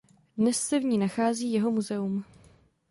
Dnes se v ní nachází jeho muzeum.